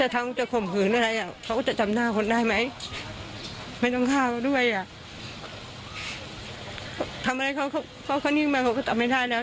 แต่เขานิ่งมาทางไม่ได้แล้ว